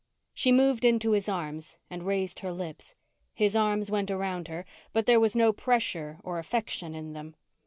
She moved into his arms and raised her lips. His arms went around her, but there was no pressure or affection in them.